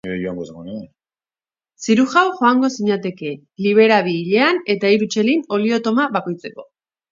Zirujau joango zinateke, libera bi hilean, eta hiru txelin olio tona bakoitzeko.